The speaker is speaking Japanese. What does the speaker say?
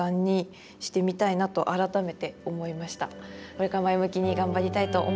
これから前向きに頑張りたいと思います。